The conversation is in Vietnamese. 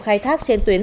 khai thác trên tuyến